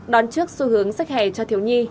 đón trước xu hướng sách hè cho thiếu nhi